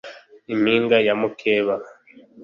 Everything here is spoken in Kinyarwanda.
impinga ya mukebe,